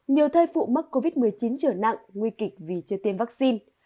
nhiều thai phụ mắc covid một mươi chín trở nặng nguy kịch vì chưa tiêm vaccine